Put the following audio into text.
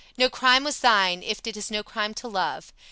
No crime was thine, if't is no crime to love.